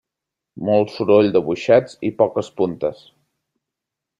Molt soroll de boixets i poques puntes.